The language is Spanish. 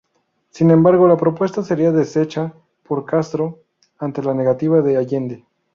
Sin embargo, la propuesta sería desechada por Castro, ante la negativa de Allende.